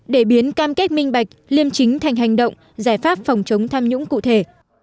để biến cam kết minh bạch liêm chính thành hành động giải pháp phòng chống tham nhũng cụ thể